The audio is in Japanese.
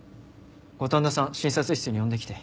五反田さん診察室に呼んできて。